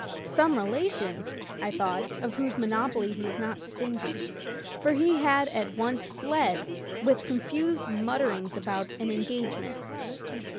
"Some rela tion,*' I thought, "of whose monopoly he is not stingy/' For he had at once fled, with confused mutterings about an engage ment.